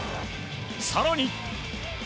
更に。